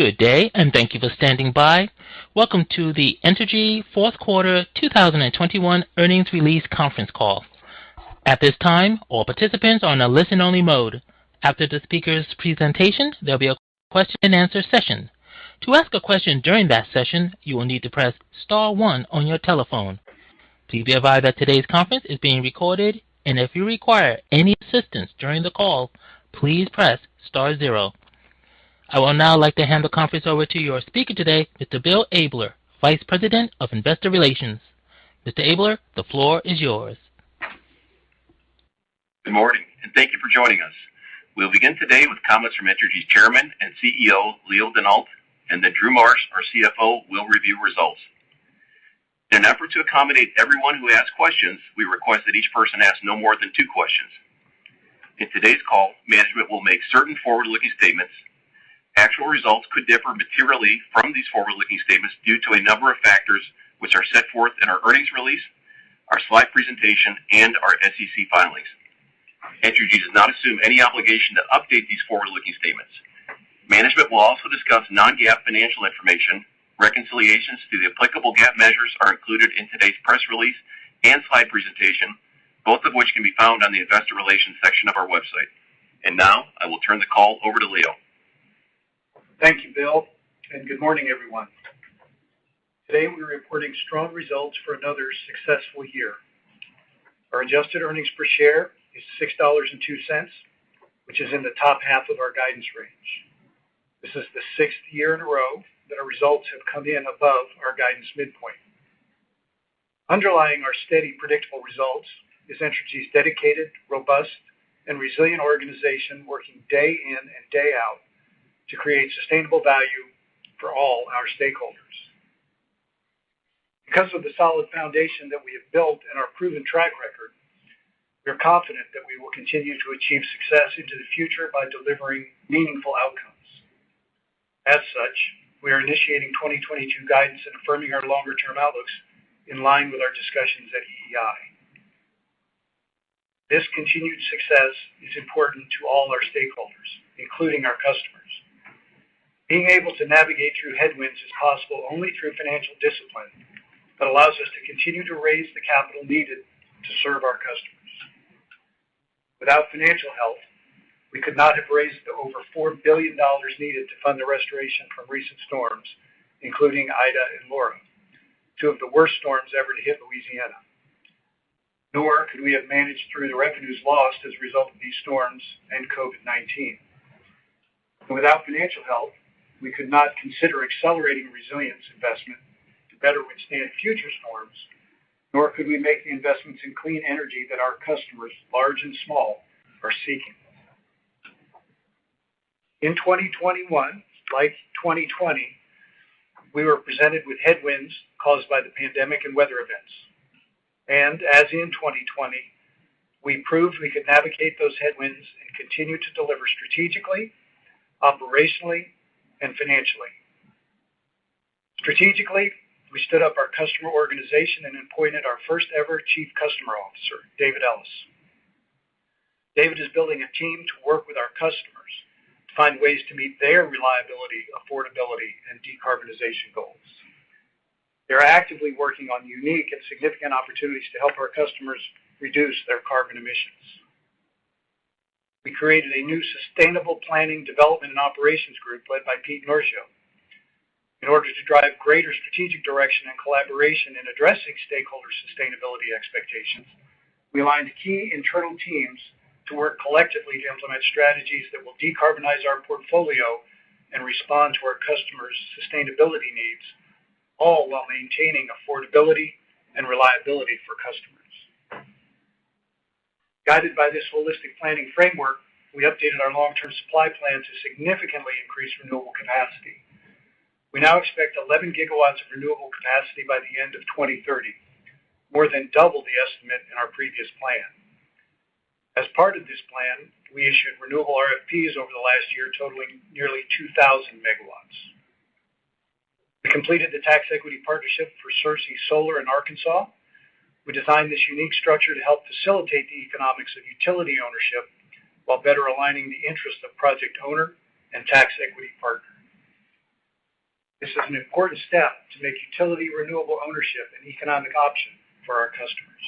Good day, and thank you for standing by. Welcome to the Entergy Q4 2021 earnings release conference call. At this time, all participants are on a listen-only mode. After the speaker's presentations, there'll be a question-and-answer session. To ask a question during that session, you will need to press star one on your telephone. Please be advised that today's conference is being recorded and if you require any assistance during the call, please press star zero. I would now like to hand the conference over to your speaker today, Mr. Bill Abler, Vice President of Investor Relations. Mr. Abler, the floor is yours. Good morning, and thank you for joining us. We'll begin today with comments from Entergy's Chairman and CEO, Leo Denault, and then Drew Marsh, our CFO, will review results. In an effort to accommodate everyone who asks questions, we request that each person ask no more than two questions. In today's call, management will make certain forward-looking statements. Actual results could differ materially from these forward-looking statements due to a number of factors which are set forth in our earnings release, our slide presentation, and our SEC filings. Entergy does not assume any obligation to update these forward-looking statements. Management will also discuss non-GAAP financial information. Reconciliations to the applicable GAAP measures are included in today's press release and slide presentation, both of which can be found on the investor relations section of our website. Now I will turn the call over to Leo. Thank you, Bill, and good morning, everyone. Today, we are reporting strong results for another successful year. Our adjusted earnings per share is $6.02, which is in the top half of our guidance range. This is the sixth year in a row that our results have come in above our guidance midpoint. Underlying our steady, predictable results is Entergy's dedicated, robust, and resilient organization working day in and day out to create sustainable value for all our stakeholders. Because of the solid foundation that we have built and our proven track record, we are confident that we will continue to achieve success into the future by delivering meaningful outcomes. As such, we are initiating 2022 guidance and affirming our longer-term outlooks in line with our discussions at EEI. This continued success is important to all our stakeholders, including our customers. Being able to navigate through headwinds is possible only through financial discipline that allows us to continue to raise the capital needed to serve our customers. Without financial help, we could not have raised over $4 billion needed to fund the restoration from recent storms, including Ida and Laura, two of the worst storms ever to hit Louisiana. Nor could we have managed through the revenues lost as a result of these storms and COVID-19. Without financial help, we could not consider accelerating resilience investment to better withstand future storms, nor could we make the investments in clean energy that our customers, large and small, are seeking. In 2021, like 2020, we were presented with headwinds caused by the pandemic and weather events. As in 2020, we proved we could navigate those headwinds and continue to deliver strategically, operationally, and financially. Strategically, we stood up our customer organization and appointed our first-ever Chief Customer Officer, David Ellis. David is building a team to work with our customers to find ways to meet their reliability, affordability, and decarbonization goals. They're actively working on unique and significant opportunities to help our customers reduce their carbon emissions. We created a new sustainable planning, development, and operations group led by Peter Marchio. In order to drive greater strategic direction and collaboration in addressing stakeholder sustainability expectations, we aligned key internal teams to work collectively to implement strategies that will decarbonize our portfolio and respond to our customers' sustainability needs, all while maintaining affordability and reliability for customers. Guided by this holistic planning framework, we updated our long-term supply plan to significantly increase renewable capacity. We now expect 11 GW of renewable capacity by the end of 2030, more than double the estimate in our previous plan. As part of this plan, we issued renewable RFPs over the last year, totaling nearly 2,000 MW. We completed the tax equity partnership for Searcy Solar in Arkansas. We designed this unique structure to help facilitate the economics of utility ownership while better aligning the interests of project owner and tax equity partner. This is an important step to make utility renewable ownership an economic option for our customers.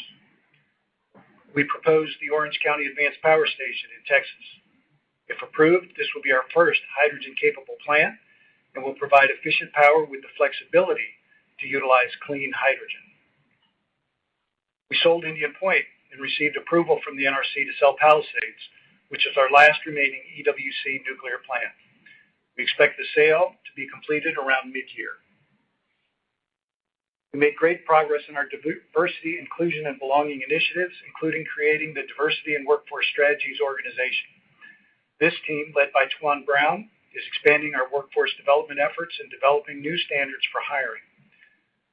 We proposed the Orange County Advanced Power Station in Texas. If approved, this will be our first hydrogen-capable plant and will provide efficient power with the flexibility to utilize clean hydrogen. We sold Indian Point and received approval from the NRC to sell Palisades, which is our last remaining EWC nuclear plant. We expect the sale to be completed around mid-year. We made great progress in our diversity, inclusion, and belonging initiatives, including creating the Diversity and Workforce Strategies organization. This team, led by Taiwan Brown, is expanding our workforce development efforts and developing new standards for hiring.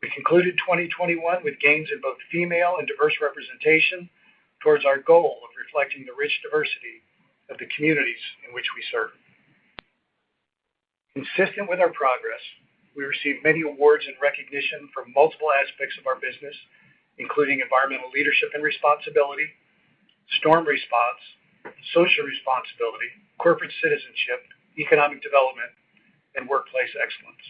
We concluded 2021 with gains in both female and diverse representation towards our goal of reflecting the rich diversity of the communities in which we serve. Consistent with our progress, we received many awards and recognition for multiple aspects of our business, including environmental leadership and responsibility, storm response, social responsibility, corporate citizenship, economic development, and workplace excellence.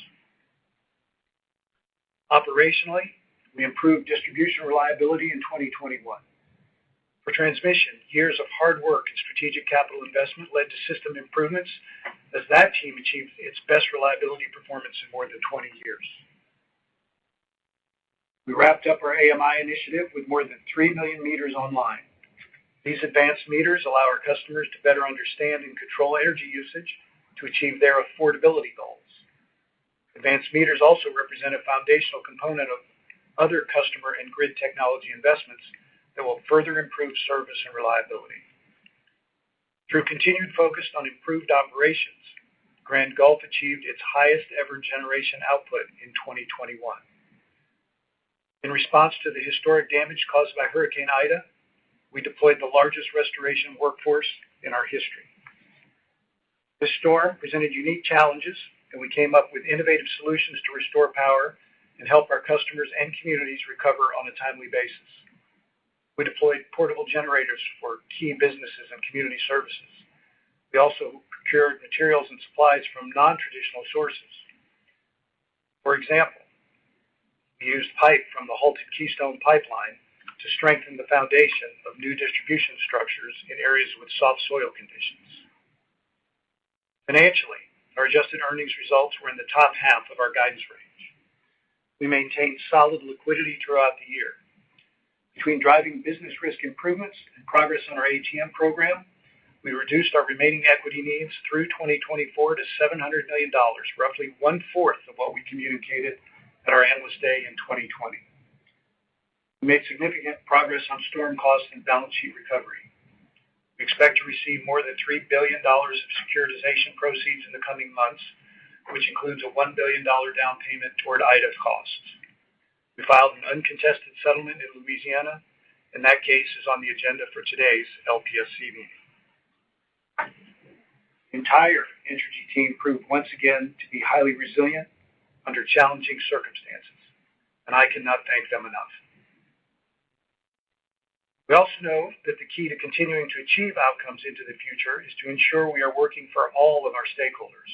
Operationally, we improved distribution reliability in 2021. For transmission, years of hard work and strategic capital investment led to system improvements as that team achieved its best reliability performance in more than 20 years. We wrapped up our AMI initiative with more than three million meters online. These advanced meters allow our customers to better understand and control energy usage to achieve their affordability goals. Advanced meters also represent a foundational component of other customer and grid technology investments that will further improve service and reliability. Through continued focus on improved operations, Grand Gulf achieved its highest-ever generation output in 2021. In response to the historic damage caused by Hurricane Ida, we deployed the largest restoration workforce in our history. The storm presented unique challenges, and we came up with innovative solutions to restore power and help our customers and communities recover on a timely basis. We deployed portable generators for key businesses and community services. We also procured materials and supplies from non-traditional sources. For example, we used pipe from the halted Keystone Pipeline to strengthen the foundation of new distribution structures in areas with soft soil conditions. Financially, our adjusted earnings results were in the top half of our guidance range. We maintained solid liquidity throughout the year. Between driving business risk improvements and progress on our ATM program, we reduced our remaining equity needs through 2024 to $700 million, roughly one-fourth of what we communicated at our Analyst Day in 2020. We made significant progress on storm costs and balance sheet recovery. We expect to receive more than $3 billion of securitization proceeds in the coming months, which includes a $1 billion down payment toward Ida costs. We filed an uncontested settlement in Louisiana, and that case is on the agenda for today's LPSC meeting. The entire Entergy team proved once again to be highly resilient under challenging circumstances, and I cannot thank them enough. We also know that the key to continuing to achieve outcomes into the future is to ensure we are working for all of our stakeholders,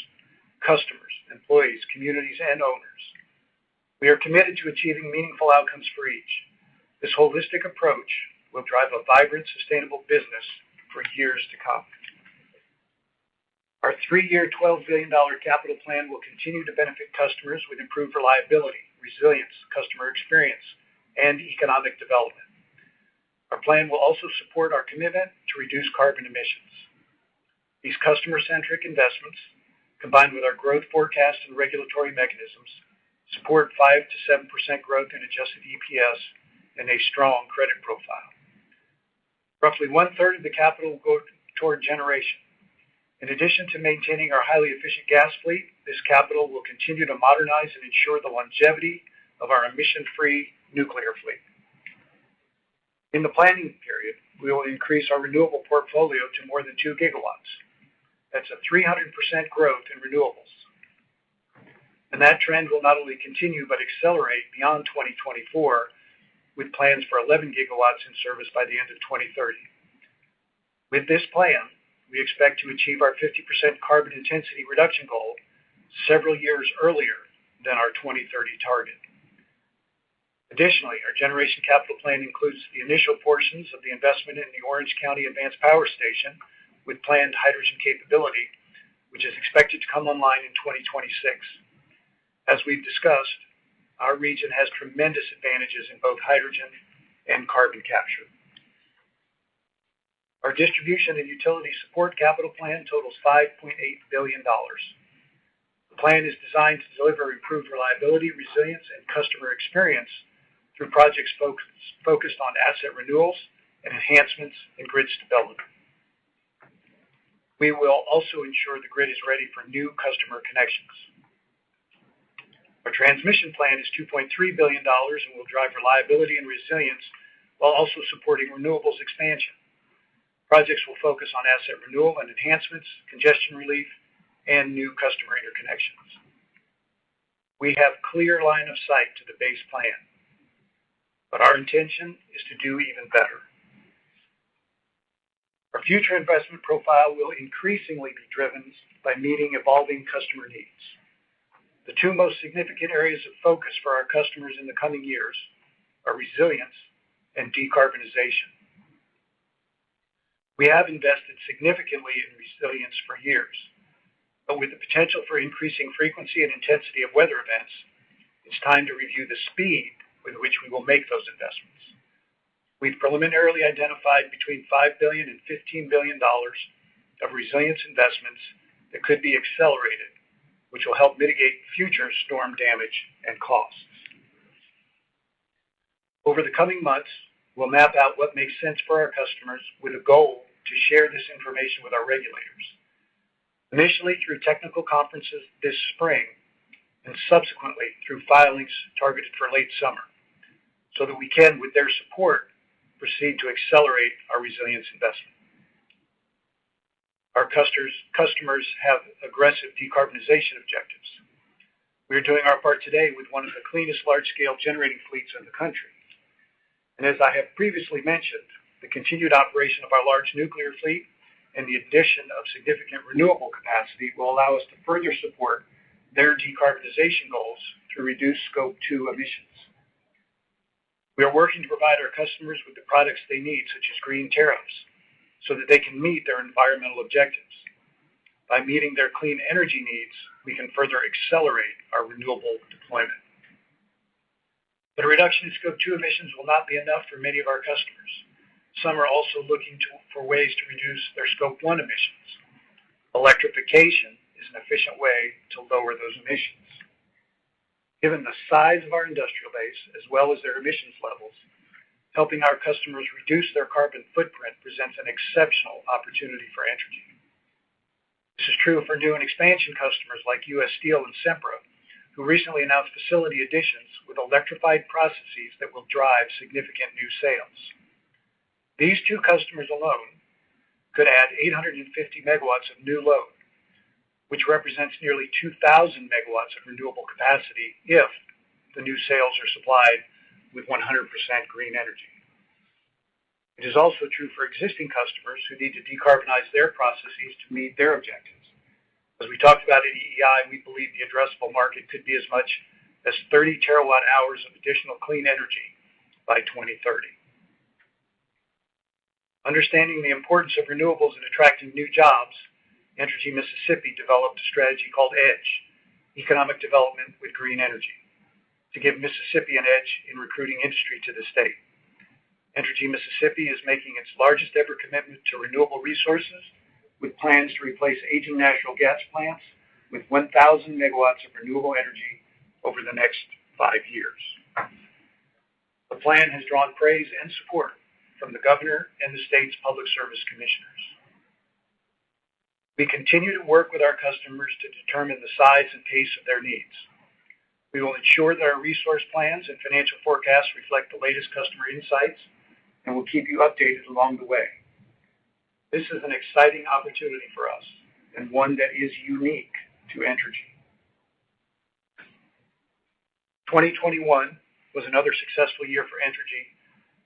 customers, employees, communities, and owners. We are committed to achieving meaningful outcomes for each. This holistic approach will drive a vibrant, sustainable business for years to come. Our three year, $12 billion capital plan will continue to benefit customers with improved reliability, resilience, customer experience, and economic development. Our plan will also support our commitment to reduce carbon emissions. These customer-centric investments, combined with our growth forecast and regulatory mechanisms, support 5%-7% growth in adjusted EPS and a strong credit profile. Roughly one-third of the capital will go toward generation. In addition to maintaining our highly efficient gas fleet, this capital will continue to modernize and ensure the longevity of our emission-free nuclear fleet. In the planning period, we will increase our renewable portfolio to more than 2 GW. That's a 300% growth in renewables. That trend will not only continue but accelerate beyond 2024, with plans for 11 GW in service by the end of 2030. With this plan, we expect to achieve our 50% carbon intensity reduction goal several years earlier than our 2030 target. Additionally, our generation capital plan includes the initial portions of the investment in the Orange County Advanced Power Station with planned hydrogen capability, which is expected to come online in 2026. As we've discussed, our region has tremendous advantages in both hydrogen and carbon capture. Our distribution and utility support capital plan totals $5.8 billion. The plan is designed to deliver improved reliability, resilience, and customer experience through projects focused on asset renewals and enhancements in grid stability. We will also ensure the grid is ready for new customer connections. Our transmission plan is $2.3 billion and will drive reliability and resilience while also supporting renewables expansion. Projects will focus on asset renewal and enhancements, congestion relief, and new customer interconnections. We have clear line of sight to the base plan, but our intention is to do even better. Our future investment profile will increasingly be driven by meeting evolving customer needs. The two most significant areas of focus for our customers in the coming years are resilience and decarbonization. We have invested significantly in resilience for years, but with the potential for increasing frequency and intensity of weather events, it's time to review the speed with which we will make those investments. We've preliminarily identified between $5 billion and $15 billion of resilience investments that could be accelerated, which will help mitigate future storm damage and costs. Over the coming months, we'll map out what makes sense for our customers with a goal to share this information with our regulators. Initially, through technical conferences this spring, and subsequently through filings targeted for late summer so that we can, with their support, proceed to accelerate our resilience investments. Our customers have aggressive decarbonization objectives. We are doing our part today with one of the cleanest large-scale generating fleets in the country. As I have previously mentioned, the continued operation of our large nuclear fleet and the addition of significant renewable capacity will allow us to further support their decarbonization goals to reduce Scope 2 emissions. We are working to provide our customers with the products they need, such as green tariffs, so that they can meet their environmental objectives. By meeting their clean energy needs, we can further accelerate our renewable deployment. The reduction in Scope 2 emissions will not be enough for many of our customers. Some are also looking for ways to reduce their Scope 1 emissions. Electrification is an efficient way to lower those emissions. Given the size of our industrial base as well as their emissions levels, helping our customers reduce their carbon footprint presents an exceptional opportunity for Entergy. This is true for new and expansion customers like U.S. Steel and Sempra, who recently announced facility additions with electrified processes that will drive significant new sales. These two customers alone could add 850 MW of new load, which represents nearly 2,000 MW of renewable capacity if the new sales are supplied with 100% green energy. It is also true for existing customers who need to decarbonize their processes to meet their objectives. As we talked about at EEI, we believe the addressable market could be as much as 30 TWh of additional clean energy by 2030. Understanding the importance of renewables and attracting new jobs, Entergy Mississippi developed a strategy called EDGE, Economic Development with Green Energy, to give Mississippi an edge in recruiting industry to the state. Entergy Mississippi is making its largest-ever commitment to renewable resources with plans to replace aging natural gas plants with 1,000 MW of renewable energy over the next five years. The plan has drawn praise and support from the governor and the state's public service commissioners. We continue to work with our customers to determine the size and pace of their needs. We will ensure that our resource plans and financial forecasts reflect the latest customer insights, and we'll keep you updated along the way. This is an exciting opportunity for us and one that is unique to Entergy. 2021 was another successful year for Entergy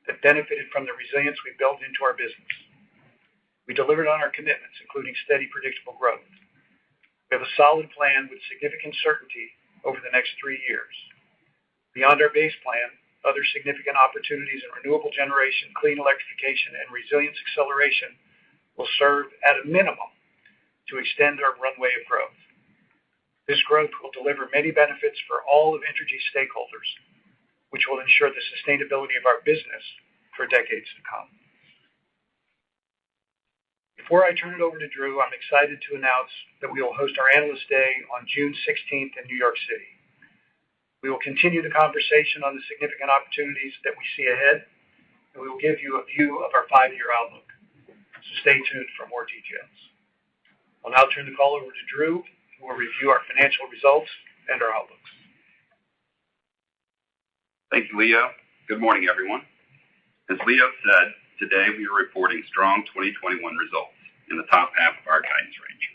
that benefited from the resilience we built into our business. We delivered on our commitments, including steady, predictable growth. We have a solid plan with significant certainty over the next three years. Beyond our base plan, other significant opportunities in renewable generation, clean electrification, and resilience acceleration will serve at a minimum to extend our runway of growth. This growth will deliver many benefits for all of Entergy stakeholders, which will ensure the sustainability of our business for decades to come. Before I turn it over to Drew, I'm excited to announce that we will host our Analyst Day on June 16th in New York City. We will continue the conversation on the significant opportunities that we see ahead, and we will give you a view of our five-year outlook, so stay tuned for more details. I'll now turn the call over to Drew, who will review our financial results and our outlooks. Thank you, Leo. Good morning, everyone. As Leo said, today we are reporting strong 2021 results in the top half of our guidance range.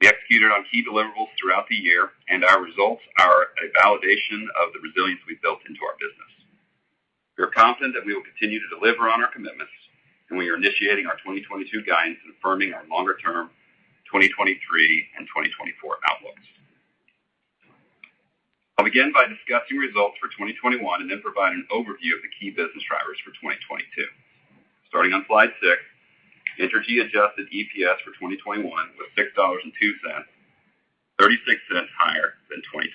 We executed on key deliverables throughout the year, and our results are a validation of the resilience we built into our business. We are confident that we will continue to deliver on our commitments, and we are initiating our 2022 guidance and affirming our longer-term 2023 and 2024 outlooks. I'll begin by discussing results for 2021 and then provide an overview of the key business drivers for 2022. Starting on slide six, Entergy adjusted EPS for 2021 was $6.02, $0.36 higher than 2020.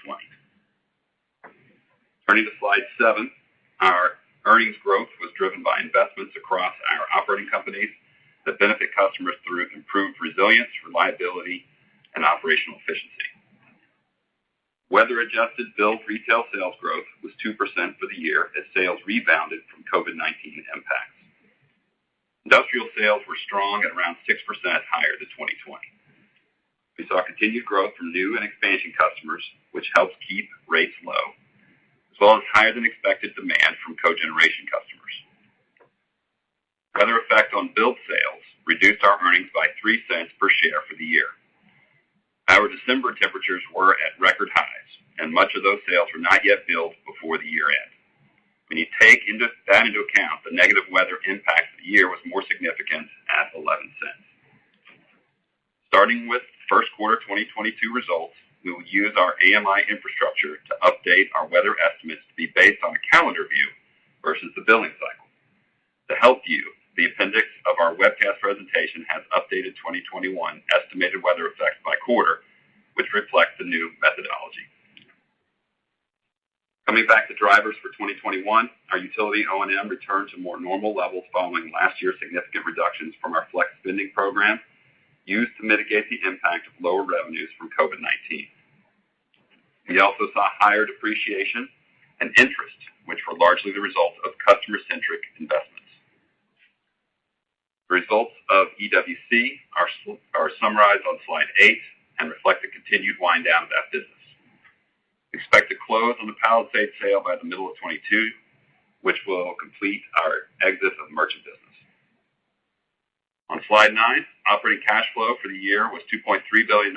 Turning to slide seven, our earnings growth was driven by investments across our operating companies that benefit customers through improved resilience, reliability, and operational efficiency. Weather-adjusted billed retail sales growth was 2% for the year as sales rebounded from COVID-19 impacts. Industrial sales were strong at around 6% higher than 2020. We saw continued growth from new and expansion customers, which helped keep rates low, as well as higher than expected demand from cogeneration customers. Weather effect on billed sales reduced our earnings by $0.03 per share for the year. Our December temperatures were at record highs, and much of those sales were not yet billed before the year-end. When you take that into account, the negative weather impact of the year was more significant at $0.11. Starting with Q1 2022 results, we will use our AMI infrastructure to update our weather estimates to be based on a calendar view versus the billing cycle. To help you, the appendix of our webcast presentation has updated 2021 estimated weather effect by quarter, which reflects the new methodology. Coming back to drivers for 2021, our utility O&M returned to more normal levels following last year's significant reductions from our flex spending program used to mitigate the impact of lower revenues from COVID-19. We also saw higher depreciation and interest, which were largely the result of customer-centric investments. The results of EWC are summarized on slide eight and reflect the continued wind down of that business. Real estate sale by the middle of 2022, which will complete our exit of merchant business. On slide nine, operating cash flow for the year was $2.3 billion,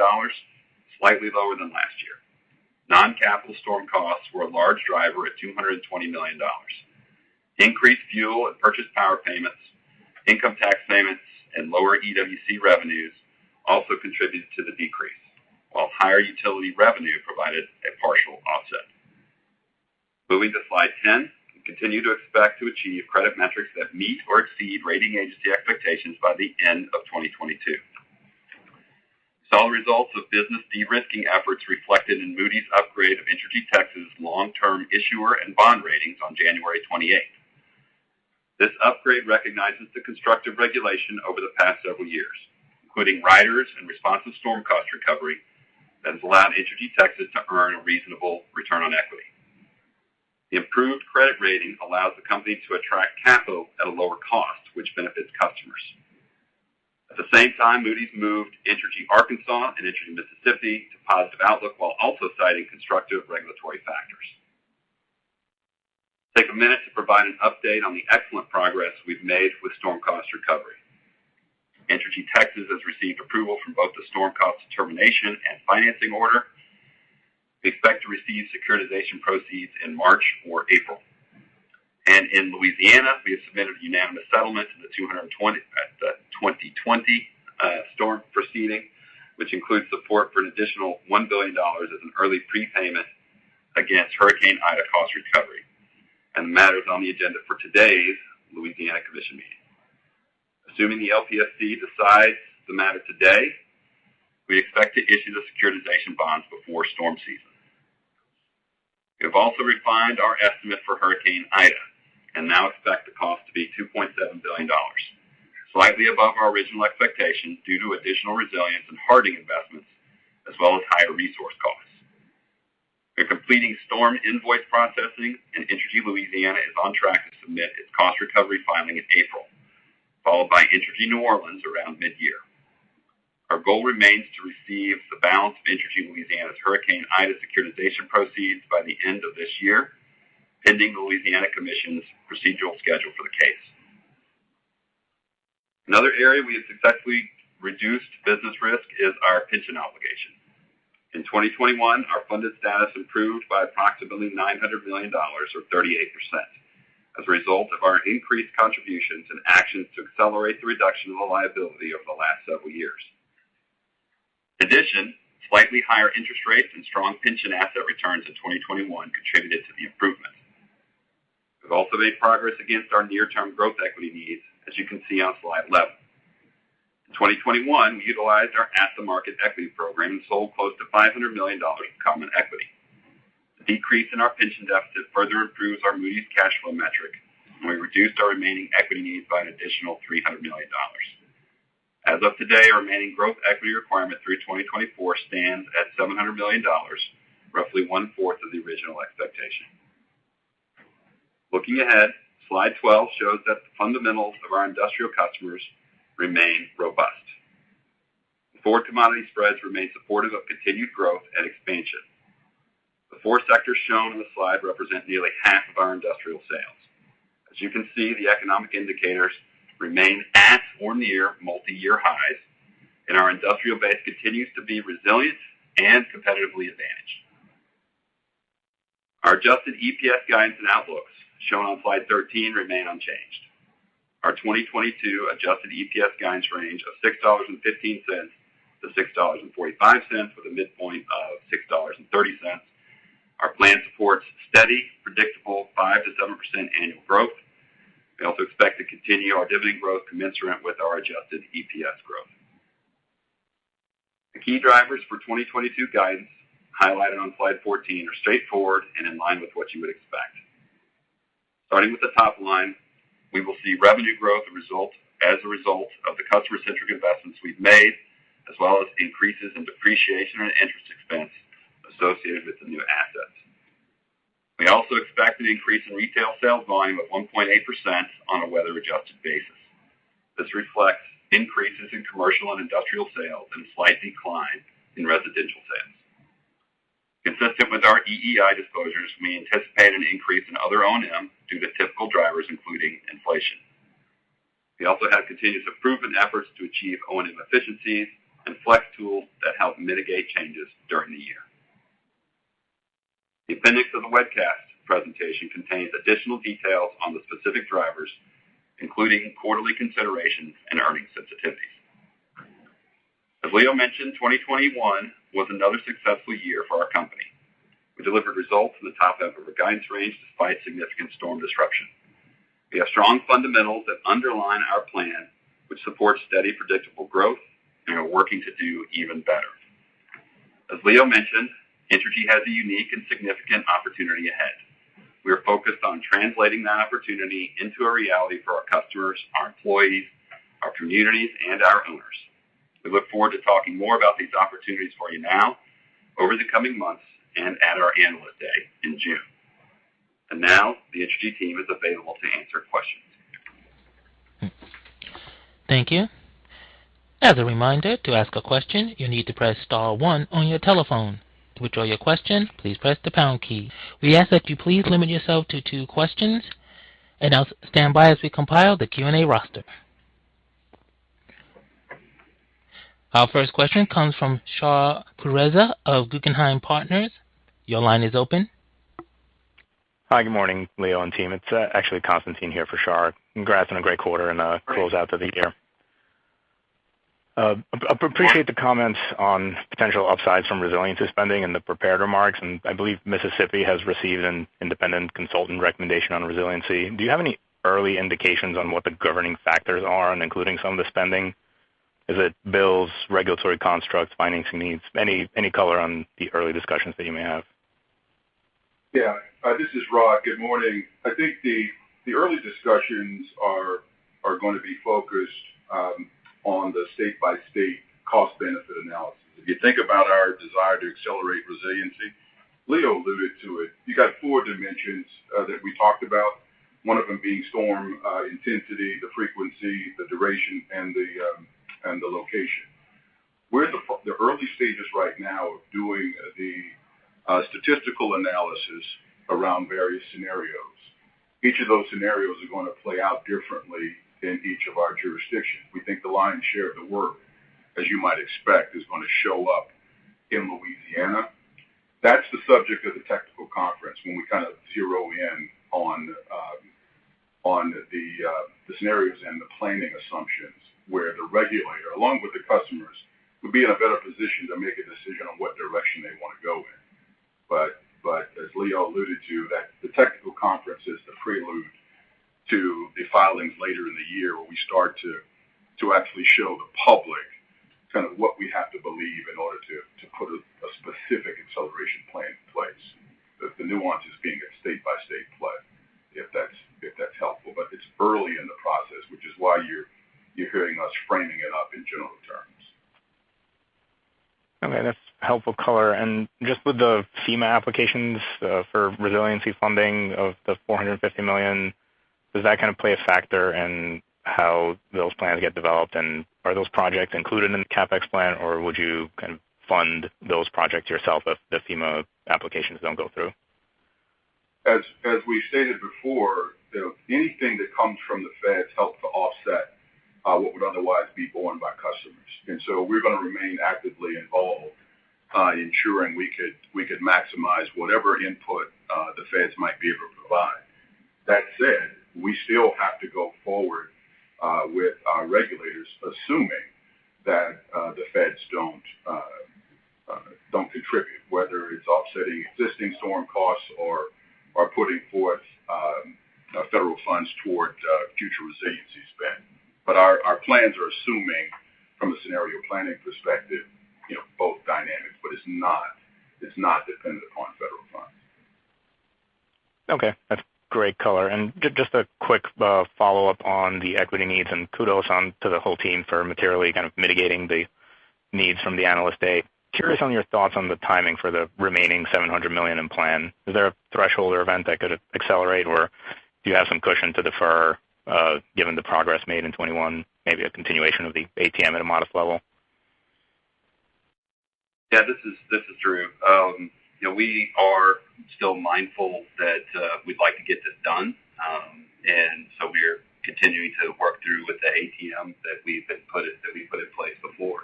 slightly lower than last year. Non-capital storm costs were a large driver at $220 million. Increased fuel and purchase power payments, income tax payments, and lower EWC revenues also contributed to the decrease, while higher utility revenue provided a partial offset. Moving to slide 10. We continue to expect to achieve credit metrics that meet or exceed rating agency expectations by the end of 2022. We saw the results of business de-risking efforts reflected in Moody's upgrade of Entergy Texas's long-term issuer and bond ratings on January 28th. This upgrade recognizes the constructive regulation over the past several years, including riders and responsive storm cost recovery that has allowed Entergy Texas to earn a reasonable return on equity. The improved credit rating allows the company to attract capital at a lower cost, which benefits customers. At the same time, Moody's moved Entergy Arkansas and Entergy Mississippi to positive outlook while also citing constructive regulatory factors. Take a minute to provide an update on the excellent progress we've made with storm cost recovery. Entergy Texas has received approval from both the storm cost determination and financing order. We expect to receive securitization proceeds in March or April. In Louisiana, we have submitted a unanimous settlement to the 2020 storm proceeding, which includes support for an additional $1 billion as an early prepayment against Hurricane Ida cost recovery and matters on the agenda for today's Louisiana Commission meeting. Assuming the LPSC decides the matter today, we expect to issue the securitization bonds before storm season. We have also refined our estimate for Hurricane Ida and now expect the cost to be $2.7 billion, slightly above our original expectations due to additional resilience and hardening investments, as well as higher resource costs. We're completing storm invoice processing, and Entergy Louisiana is on track to submit its cost recovery filing in April, followed by Entergy New Orleans around mid-year. Our goal remains to receive the balance of Entergy Louisiana's Hurricane Ida securitization proceeds by the end of this year, pending the Louisiana Commission's procedural schedule for the case. Another area we have successfully reduced business risk is our pension obligation. In 2021, our funded status improved by approximately $900 million or 38% as a result of our increased contributions and actions to accelerate the reduction of the liability over the last several years. In addition, slightly higher interest rates and strong pension asset returns in 2021 contributed to the improvement. We've also made progress against our near-term growth equity needs, as you can see on slide 11. In 2021, we utilized our at-the-market equity program and sold close to $500 million of common equity. The decrease in our pension deficit further improves our Moody's cash flow metric, and we reduced our remaining equity needs by an additional $300 million. As of today, our remaining growth equity requirement through 2024 stands at $700 million, roughly one-fourth of the original expectation. Looking ahead, slide 12 shows that the fundamentals of our industrial customers remain robust. The four commodity spreads remain supportive of continued growth and expansion. The four sectors shown on the slide represent nearly half of our industrial sales. As you can see, the economic indicators remain at or near multi-year highs, and our industrial base continues to be resilient and competitively advantaged. Our adjusted EPS guidance and outlooks shown on slide 13 remain unchanged. Our 2022 adjusted EPS guidance range of $6.15-$6.45, with a midpoint of $6.30. Our plan supports steady, predictable 5%-7% annual growth. We also expect to continue our dividend growth commensurate with our adjusted EPS growth. The key drivers for 2022 guidance highlighted on slide 14 are straightforward and in line with what you would expect. Starting with the top line, we will see revenue growth as a result of the customer-centric investments we've made, as well as increases in depreciation and interest expense associated with the new assets. We also expect an increase in retail sales volume of 1.8% on a weather-adjusted basis. This reflects increases in commercial and industrial sales and slight decline in residential sales. Consistent with our EEI disclosures, we anticipate an increase in other O&M due to typical drivers, including inflation. We also have continued to invest in efforts to achieve O&M efficiencies and flex tools that help mitigate changes during the year. The appendix of the webcast presentation contains additional details on the specific drivers, including quarterly considerations and earnings sensitivities. As Leo mentioned, 2021 was another successful year for our company. We delivered results in the top end of our guidance range despite significant storm disruption. We have strong fundamentals that underlie our plan, which supports steady, predictable growth, and are working to do even better. As Leo mentioned, Entergy has a unique and significant opportunity ahead. We are focused on translating that opportunity into a reality for our customers, our employees, our communities, and our owners. We look forward to talking more about these opportunities for you now, over the coming months, and at our Analyst Day in June. Now the Entergy team is available to answer questions. Thank you. As a reminder, to ask a question, you need to press star one on your telephone. To withdraw your question, please press the pound key. We ask that you please limit yourself to two questions and now stand by as we compile the Q&A roster. Our first question comes from Shar Pourreza of Guggenheim Partners. Your line is open. Hi, good morning, Leo and team. It's actually Constantine here for Shar. Congrats on a great quarter and close out to the year. Appreciate the comments on potential upsides from resiliency spending in the prepared remarks, and I believe Mississippi has received an independent consultant recommendation on resiliency. Do you have any early indications on what the governing factors are and including some of the spending? Is it bills, regulatory constructs, financing needs? Any color on the early discussions that you may have. Yeah. This is Rod. Good morning. I think the early discussions are going to be focused on the state-by-state cost benefit analysis. If you think about our desire to accelerate resiliency, Leo alluded to it. You got four dimensions that we talked about, one of them being storm intensity, the frequency, the duration, and the location. We're at the early stages right now of doing the statistical analysis around various scenarios. Each of those scenarios are going to play out differently in each of our jurisdictions. We think the lion's share of the work, as you might expect, is going to show up in Louisiana. That's the subject of the technical conference when we kind of zero in on the scenarios and the planning assumptions where the regulator, along with the customers, would be in a better position to make a decision on what direction they want to go in. As Leo alluded to, the technical conference is the prelude to the filings later in the year when we start to actually show the public kind of what we have to believe in order to put a specific acceleration plan in place. The nuance is being a state-by-state play, if that's helpful. It's early in the process, which is why you're hearing us framing it up in general terms. Okay, that's helpful color. Just with the FEMA applications for resiliency funding of $450 million, does that kind of play a factor in how those plans get developed? Are those projects included in the CapEx plan, or would you kind of fund those projects yourself if the FEMA applications don't go through? As we stated before, you know, anything that comes from the feds help to offset what would otherwise be borne by customers. We're going to remain actively involved, ensuring we could maximize whatever input the feds might be able to provide. That said, we still have to go forward with our regulators, assuming that the feds don't contribute, whether it's offsetting existing storm costs or putting forth federal funds toward future resiliency spend. Our plans are assuming from a scenario planning perspective, you know, both dynamics, but it's not dependent upon federal funds. Okay, that's great color. Just a quick follow-up on the equity needs and kudos to the whole team for materially kind of mitigating the needs from the Analyst Day. Curious on your thoughts on the timing for the remaining $700 million in plan. Is there a threshold or event that could accelerate, or do you have some cushion to defer, given the progress made in 2021, maybe a continuation of the ATM at a modest level? Yeah. This is Drew. You know, we are still mindful that we'd like to get this done. We're continuing to work through with the ATM that we've been put in, that we put in place before.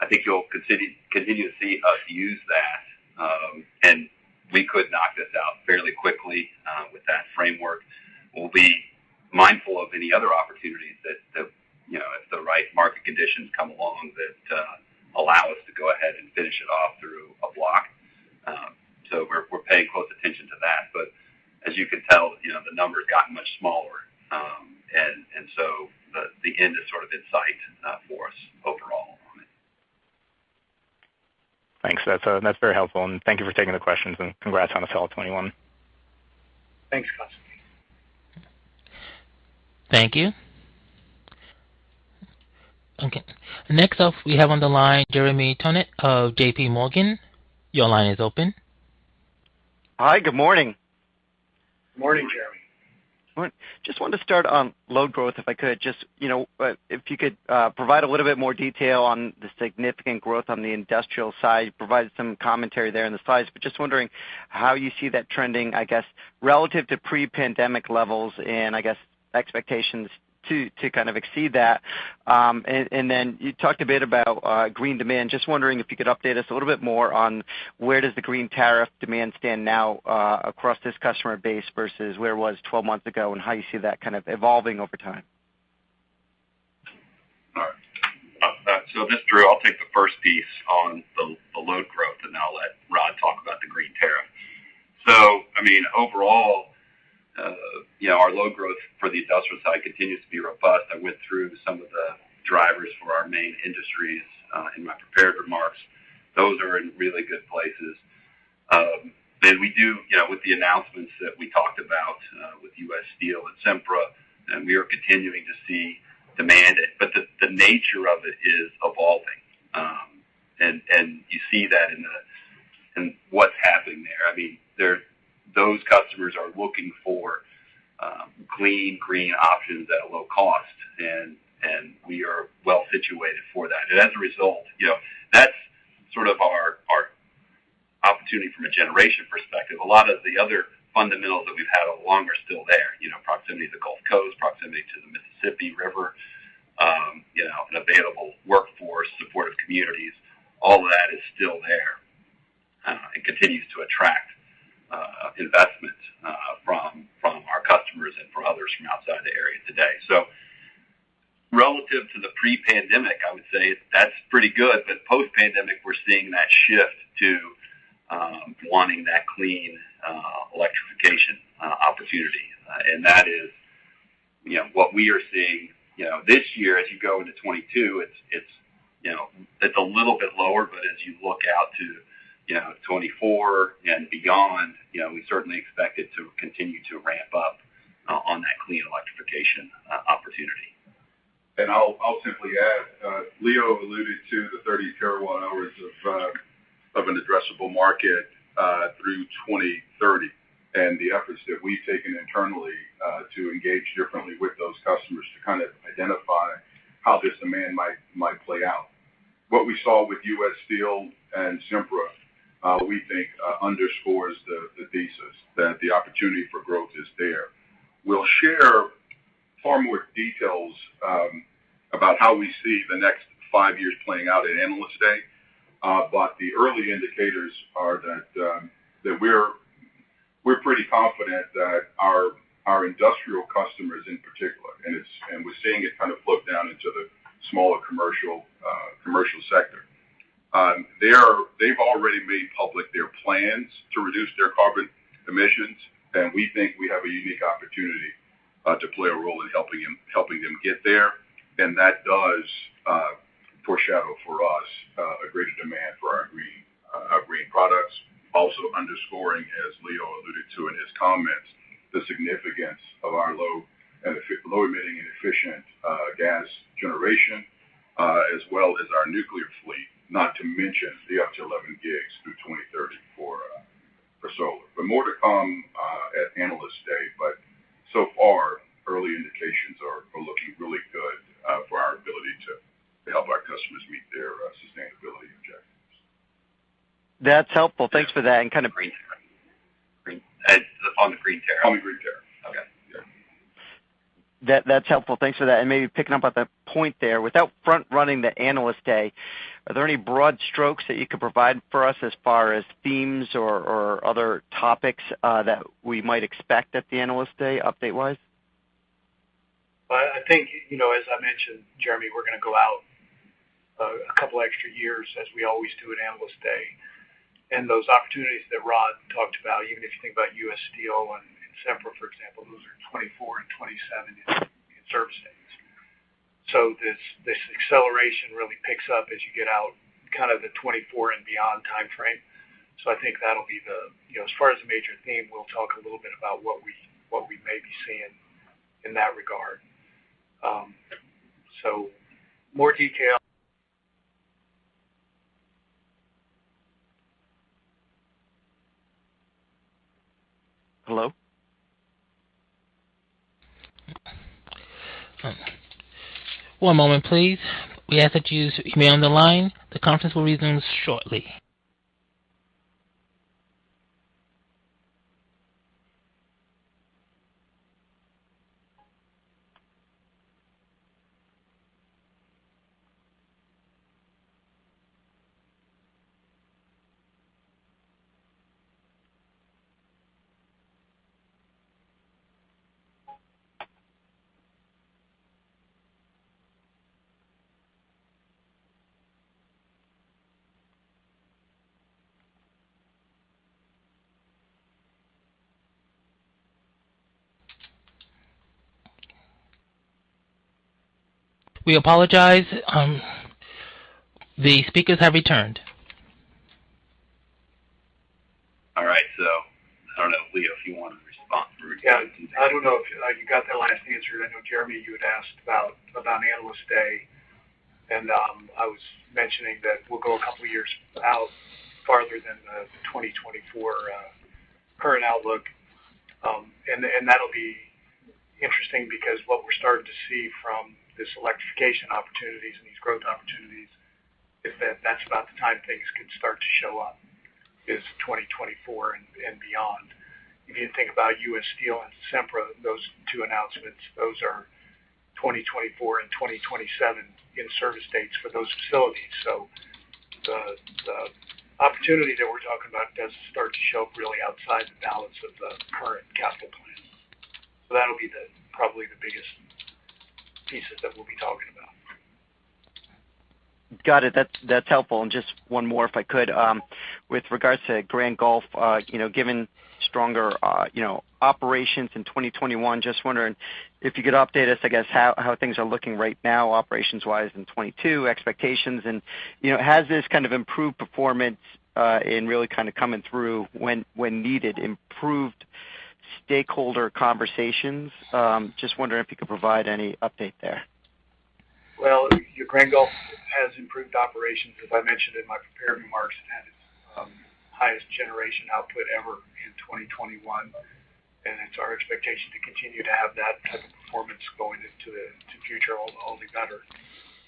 I think you'll continue to see us use that, Morning, Jeremy. Just wanted to start on load growth, if I could. Just, you know, if you could provide a little bit more detail on the significant growth on the industrial side. You provided some commentary there in the slides, but just wondering how you see that trending, I guess, relative to pre-pandemic levels and I guess expectations to kind of exceed that. And then you talked a bit about green demand. Just wondering if you could update us a little bit more on where does the green tariff demand stand now across this customer base versus where it was 12 months ago, and how you see that kind of evolving over time. All right. This is Drew. I'll take the first piece on the load growth, and then I'll let Rod talk about the green tariff. I mean, overall, you know, our load growth for the industrial side continues to be robust. I went through some of the drivers for our main industries in my prepared remarks. Those are in really good places. Then we do, you know, with the announcements that we talked about with U.S. Steel and Sempra, and we are continuing to see demand, but the nature of it is evolving. We see that in what's happening theRe. I mean, those customers are looking for clean, green options at a low cost, and we are well situated for that. As a result, you know, that's sort of our opportunity from a generation perspective. A lot of the other fundamentals that we've had all along are still there. You know, proximity to the Gulf Coast, proximity to the Mississippi River, you know, an available workforce, supportive communities, all of that is still there, and continues to attract investment from our customers and from others from outside the area today. Relative to the pre-pandemic, I would say that's pretty good, but post-pandemic, we're seeing that shift to wanting that clean electrification opportunity. That is, you know, what we are seeing. You know, this year as you go into 2022, it's, you know, it's a little bit lower. As you look out to 2024 and beyond, you know, we certainly expect it to continue to ramp up on that clean electrification opportunity. I'll simply add, Leo alluded to the 30 terawatt hours of an addressable market through 2030, and the efforts that we've taken internally to engage differently with those customers to kind of identify how this demand might play out. What we saw with U.S. Steel and Sempra, we think, underscores the thesis that the opportunity for growth is there. We'll share far more details about how we see the next five years playing out at Analyst Day. The early indicators are that we're pretty confident that our industrial customers in particular, and we're seeing it kind of flow down into the smaller commercial sector. They've already made public their plans to reduce their carbon emissions, and we think we have a unique opportunity to play a role in helping them get there. That does foreshadow for us a greater demand for our green products. Also underscoring, as Leo alluded to in his comments, the significance of our low emitting and efficient gas generation, as well as our nuclear fleet, not to mention up to 11 gigs through 2030 for solar. More to come at Analyst Day, but so far, early indications are looking really good for our ability to help our customers meet their sustainability objectives. That's helpful. Thanks for that. On the green tariff. On the green tariff. Okay. Yeah. That's helpful. Thanks for that. Maybe picking up on that point there. Without front running the Analyst Day, are there any broad strokes that you could provide for us as far as themes or other topics that we might expect at the Analyst Day update wise? Well, I think, you know, as I mentioned, Jeremy, we're gonna go out a couple extra years as we always do at Analyst Day. Those opportunities that Rod talked about, even if you think about U.S. Steel and Sempra, for example, those are 2024 and 2027 in-service dates. This acceleration really picks up as you get out kind of the 2024 and beyond timeframe. I think that'll be the major theme. You know, as far as the major theme, we'll talk a little bit about what we may be seeing in that regard. More detail- Hello? One moment, please. We ask that you remain on the line. The conference will resume shortly. We apologize. The speakers have returned. All right. I don't know, Leo, if you want to respond to. Yeah. I don't know if you got that last answer. I know Jeremy, you had asked about Analyst Day, and I was mentioning that we'll go a couple of years out farther than the 2024 current outlook. And that'll be interesting because what we're starting to see from this electrification opportunities and these growth opportunities is that that's about the time things can start to show up, is 2024 and beyond. If you think about U.S. Steel and Sempra, those two announcements, those are 2024 and 2027 in service dates for those facilities. So the opportunity that we're talking about does start to show up really outside the balance of the current capital plan. So that'll be probably the biggest pieces that we'll be talking about. Got it. That's helpful. Just one more, if I could. With regards to Grand Gulf, you know, given stronger, you know, operations in 2021, just wondering if you could update us, how things are looking right now operations wise in 2022, expectations and, you know, has this kind of improved performance in really kind of coming through when needed improved stakeholder conversations. Just wondering if you could provide any update there. Well, Grand Gulf has improved operations, as I mentioned in my prepared remarks, and had its highest generation output ever in 2021. It's our expectation to continue to have that type of performance going into the future only better,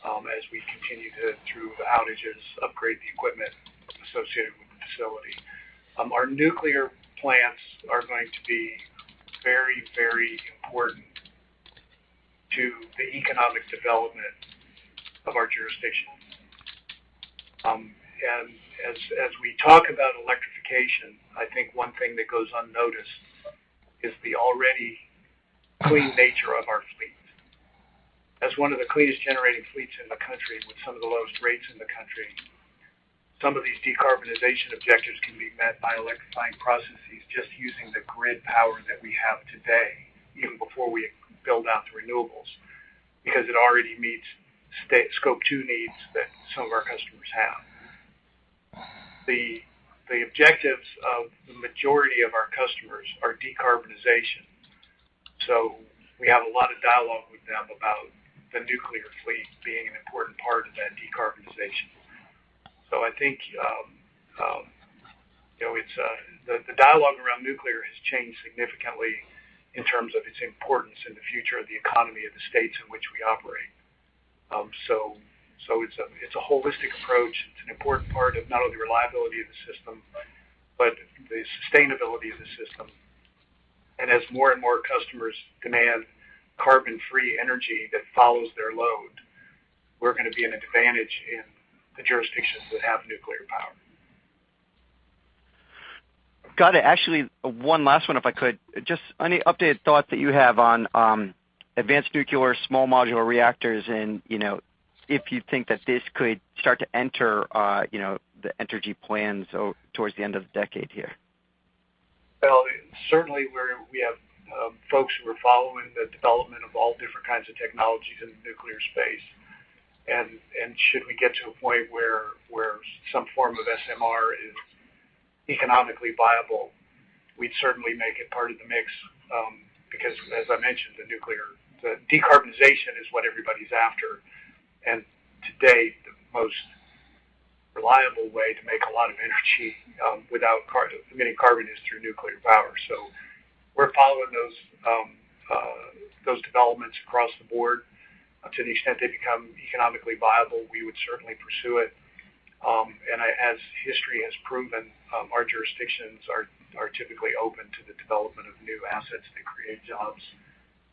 as we continue to go through outages, upgrade the equipment associated with the facility. Our nuclear plants are going to be very important to the economic development of our jurisdiction. As we talk about electrification, I think one thing that goes unnoticed is the already clean nature of our fleet. As one of the cleanest generating fleets in the country with some of the lowest rates in the country, some of these decarbonization objectives can be met by electrifying processes just using the grid power that we have today, even before we build out the renewables, because it already meets Scope 2 needs that some of our customers have. The objectives of the majority of our customers are decarbonization. We have a lot of dialogue with them about the nuclear fleet being an important part of that decarbonization. I think you know, it's the dialogue around nuclear has changed significantly in terms of its importance in the future of the economy of the states in which we operate. It's a holistic approach. It's an important part of not only the reliability of the system, but the sustainability of the system. As more and more customers demand carbon-free energy that follows their load, we're gonna be an advantage in the jurisdictions that have nuclear power. Got it. Actually, one last one, if I could. Just any updated thoughts that you have on advanced nuclear small modular reactors and, you know, if you think that this could start to enter, you know, the Entergy plans towards the end of the decade here. Well, certainly we have folks who are following the development of all different kinds of technologies in the nuclear space. Should we get to a point where some form of SMR is economically viable, we'd certainly make it part of the mix. Because as I mentioned, the decarbonization is what everybody's after. To date, the most reliable way to make a lot of energy without emitting carbon is through nuclear power. We're following those developments across the board. To the extent they become economically viable, we would certainly pursue it. As history has proven, our jurisdictions are typically open to the development of new assets that create jobs,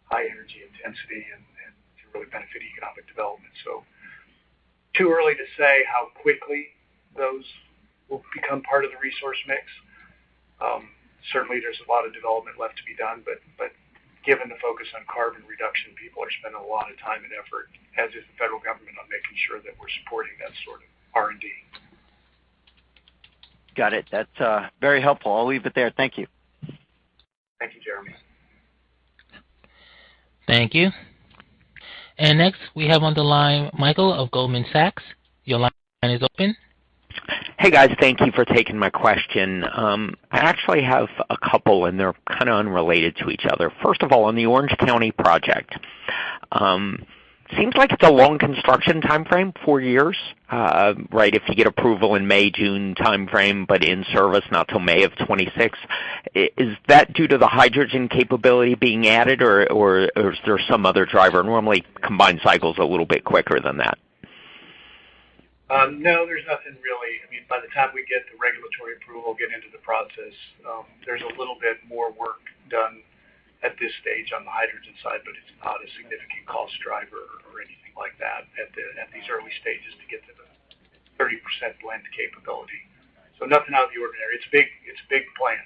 high energy intensity, and to really benefit economic development. Too early to say how quickly those will become part of the resource mix. Certainly there's a lot of development left to be done, but given the focus on carbon reduction, people are spending a lot of time and effort, as is the federal government, on making sure that we're supporting that sort of R&D. Got it. That's very helpful. I'll leave it there. Thank you. Thank you, Jeremy. Thank you. Next we have on the line Michael of Goldman Sachs. Your line is open. Hey, guys. Thank you for taking my question. I actually have a couple, and they're kind of unrelated to each other. First of all, on the Orange County project, seems like it's a long construction timeframe, four years, right? If you get approval in May, June timeframe, but in service not till May of 2026. Is that due to the hydrogen capability being added or is there some other driver? Normally, combined cycle's a little bit quicker than that. No, there's nothing really. I mean, by the time we get the regulatory approval, get into the process, there's a little bit more work done at this stage on the hydrogen side, but it's not a significant cost driver or anything like that at these early stages to get to the 30% blend capability. Nothing out of the ordinary. It's a big plan.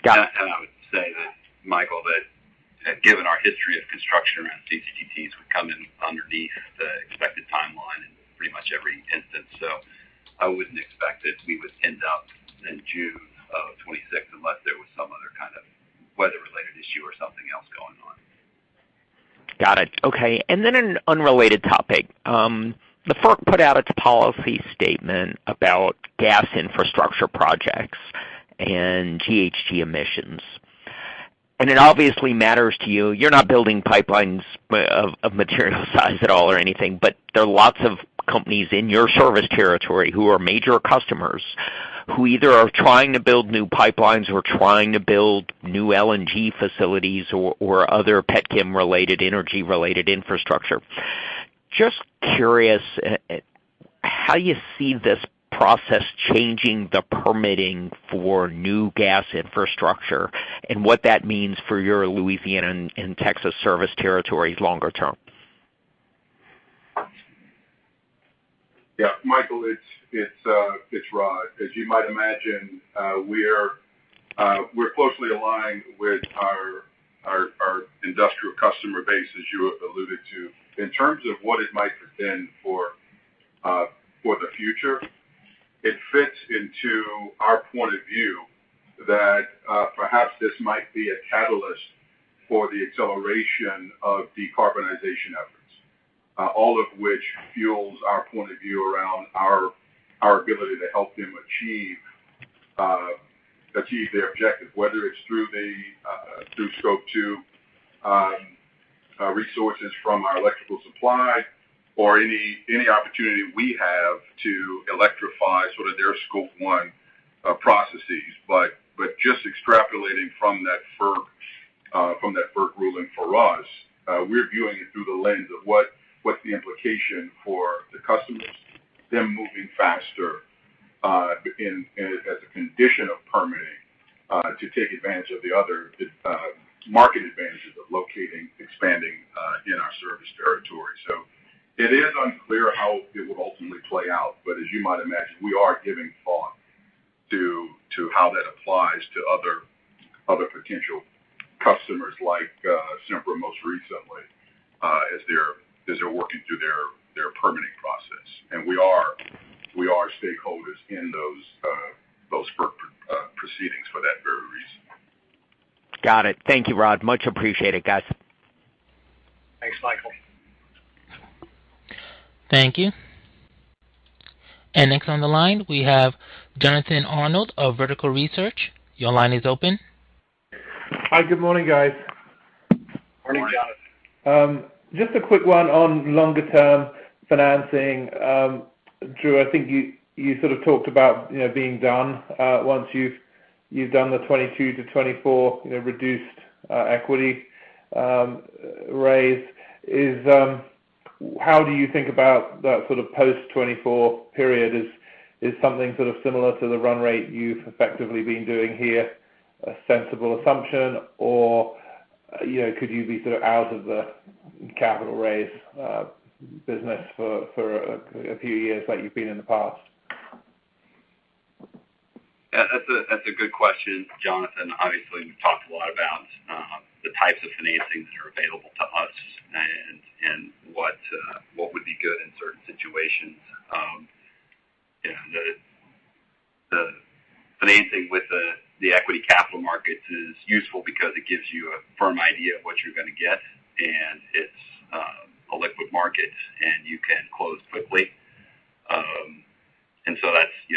Got it. I would say that, Michael, that given our history of construction around CCGTs, we come in underneath the expected timeline in pretty much every instance. I wouldn't expect that we would end up in June of 2026 unless there was some other kind of weather-related issue or something else going on. Got it. Okay. Then an unrelated topic. The FERC put out its policy statement about gas infrastructure projects and GHG emissions. It obviously matters to you. You're not building pipelines of material size at all or anything, but there are lots of companies in your service territory who are major customers who either are trying to build new pipelines or trying to build new LNG facilities or other petrochemical-related, energy-related infrastructure. Just curious, how you see this process changing the permitting for new gas infrastructure and what that means for your Louisiana and Texas service territories longer term? Yeah. Michael, it's Rod. As you might imagine, we're closely aligned with our industrial customer base, as you alluded to. In terms of what it might portend for the future, it fits into our point of view that perhaps this might be a catalyst for the acceleration of decarbonization efforts. All of which fuels our point of view around our ability to help them achieve their objective. Whether it's through Scope 2 resources from our electrical supply or any opportunity we have to electrify sort of their Scope 1 processes. But just extrapolating from that FERC ruling for us, we're viewing it through the lens of what's the implication for the customers, them moving faster in and as a condition of permitting to take advantage of the other market advantages of locating, expanding in our service territory. It is unclear how it will ultimately play out. As you might imagine, we are giving thought to how that applies to other potential customers like Sempra most recently, as they're working through their permitting process. We are stakeholders in those FERC proceedings for that very reason. Got it. Thank you, Rod. Much appreciated, guys. Thanks, Michael. Thank you. Next on the line, we have Jonathan Arnold of Vertical Research. Your line is open. Hi. Good morning, guys. Morning, Jonathan. Just a quick one on longer-term financing. Drew, I think you sort of talked about, you know, being done once you've done the 2022-2024, you know, reduced equity raise. How do you think about that sort of post-2024 period? Is something sort of similar to the run rate you've effectively been doing here a sensible assumption? Or, you know, could you be sort of out of the capital raise business for a few years like you've been in the past? Yeah. That's a good question, Jonathan. Obviously, we've talked a lot about the types of financings that are available to us and what would be good in certain situations. You know, the financing with the equity capital markets is useful because it gives you a firm idea of what you're gonna get, and it's a liquid market, and you can close quickly.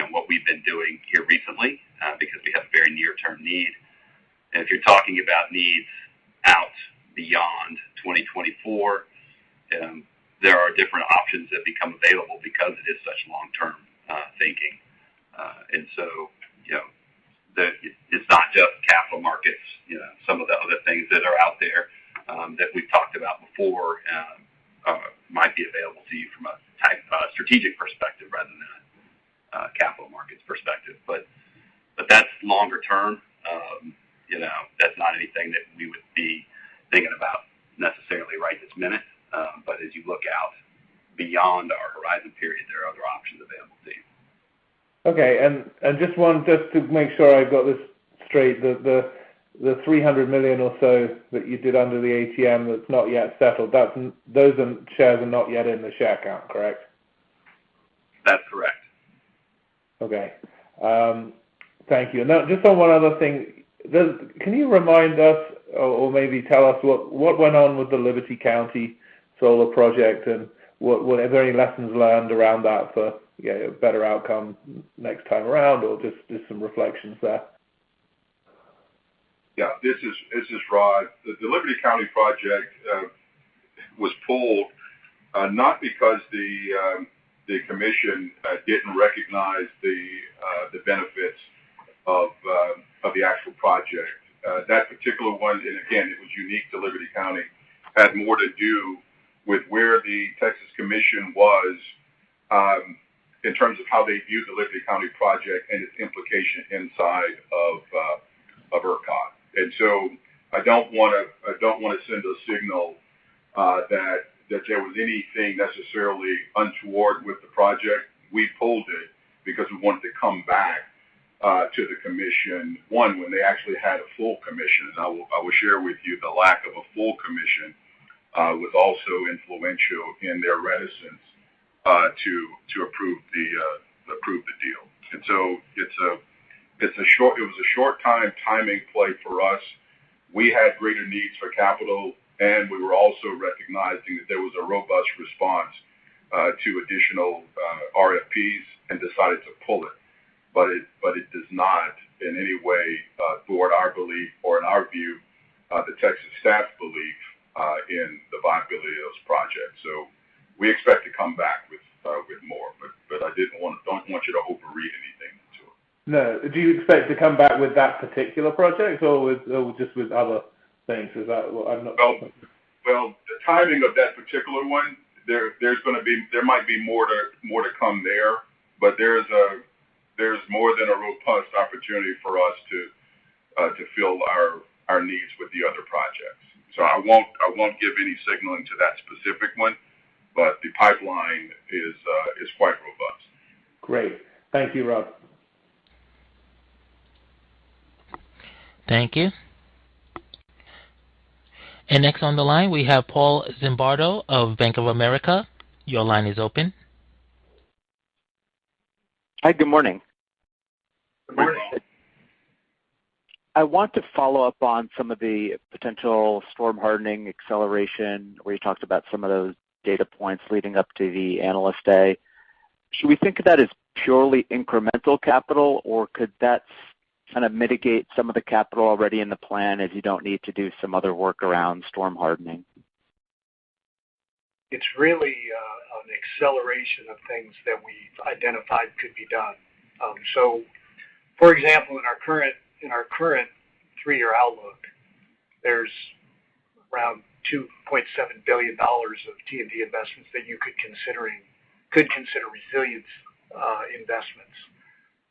That's what we've been doing here recently because we have very near-term need. If you're talking about needs out beyond 2024, there are different options that become available because it is such long-term thinking. You know, it's not just capital markets. Some of the other things that are out there, that we've talked about before, might be available to you from a strategic perspective rather than a capital markets perspective. That's longer term. You know, that's not anything that we would be thinking about necessarily right this minute. As you look out beyond our horizon period, there are other options available to you. Okay. Just to make sure I've got this straight. The $300 million or so that you did under the ATM that's not yet settled, those shares are not yet in the share count, correct? That's correct. Okay. Thank you. Now just on one other thing. Can you remind us or maybe tell us what went on with the Liberty Solar project, and are there any lessons learned around that for, you know, a better outcome next time around, or just some reflections there? Yeah. This is Rod. The Liberty County project was pulled not because the commission didn't recognize the benefits of the actual project. That particular one, and again, it was unique to Liberty County, had more to do with where the Texas Commission was in terms of how they viewed the Liberty County project and its implication inside of ERCOT. I don't wanna send a signal that there was anything necessarily untoward with the project. We pulled it because we wanted to come back to the commission. One, when they actually had a full commission. I will share with you the lack of a full commission was also influential in their reticence to approve the deal. It was a short-term timing play for us. We had greater needs for capital, and we were also recognizing that there was a robust response to additional RFPs and decided to pull it. It does not in any way thwart our belief or in our view, the Texas staff's belief, in the viability of this project. We expect to come back with more. I don't want you to overread anything into it. No. Do you expect to come back with that particular project or with, or just with other things? Is that what I'm not- Well, the timing of that particular one, there might be more to come there. But there's more than a robust opportunity for us to fill our needs with the other projects. I won't give any signaling to that specific one. But the pipeline is quite robust. Great. Thank you, Rod. Thank you. Next on the line, we have Paul Zimbardo of Bank of America. Your line is open. Hi. Good morning. Morning. I want to follow up on some of the potential storm hardening acceleration where you talked about some of those data points leading up to the Analyst Day. Should we think of that as purely incremental capital, or could that kind of mitigate some of the capital already in the plan as you don't need to do some other work around storm hardening? It's really an acceleration of things that we've identified could be done. For example, in our current three-year outlook, there's around $2.7 billion of T&D investments that you could consider resilience investments.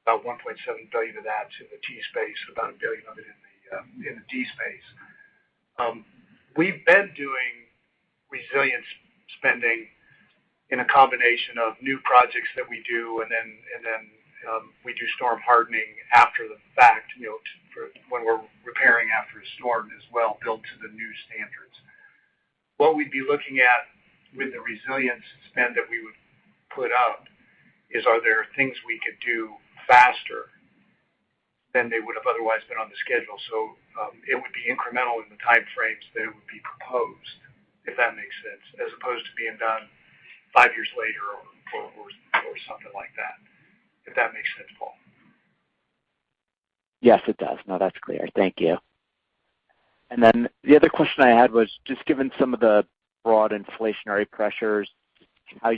About $1.7 billion of that's in the T space, about $1 billion of it in the D space. We've been doing resilience spending in a combination of new projects that we do, and then we do storm hardening after the fact, you know, for when we're repairing after a storm as well built to the new standards. What we'd be looking at with the resilience spend that we would put out is, are there things we could do faster than they would have otherwise been on the schedule? It would be incremental in the time frames that it would be proposed, if that makes sense, as opposed to being done five years later or something like that, if that makes sense, Paul. Yes, it does. No, that's clear. Thank you. The other question I had was just given some of the broad inflationary pressures, how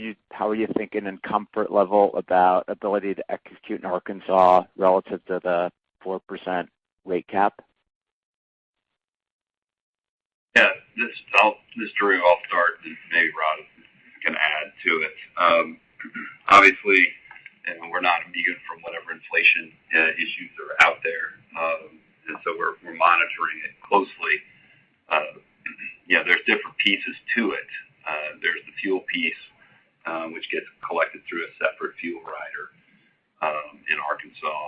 are you thinking in comfort level about ability to execute in Arkansas relative to the 4% rate cap? Yeah. This Drew I'll start, and maybe Rod can add to it. Obviously, we're not immune from whatever inflation issues are out there. We're monitoring it closely. You know, there's different pieces to it. There's the fuel piece, which gets collected through a separate fuel rider in Arkansas.